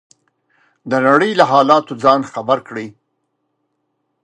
د نړۍ له حالاتو ځان خبر کړئ.